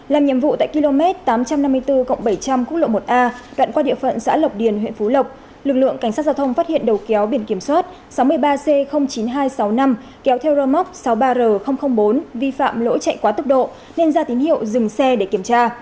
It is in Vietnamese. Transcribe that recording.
làm nhiệm vụ tại km tám trăm năm mươi bốn bảy trăm linh quốc lộ một a đoạn qua địa phận xã lộc điền huyện phú lộc lực lượng cảnh sát giao thông phát hiện đầu kéo biển kiểm soát sáu mươi ba c chín nghìn hai trăm sáu mươi năm kéo theo rơ móc sáu mươi ba r bốn vi phạm lỗi chạy quá tốc độ nên ra tín hiệu dừng xe để kiểm tra